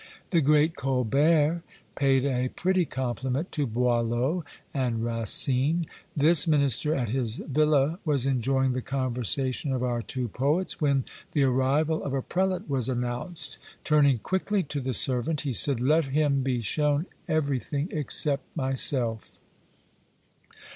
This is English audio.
The great Colbert paid a pretty compliment to Boileau and Racine. This minister, at his villa, was enjoying the conversation of our two poets, when the arrival of a prelate was announced: turning quickly to the servant, he said, "Let him be shown everything except myself!"